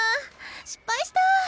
失敗した！